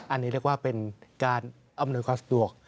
อันนี้เรียกว่าเป็นการอำนวยความสะดวก